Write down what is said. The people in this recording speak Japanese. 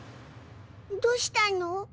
どうしたの？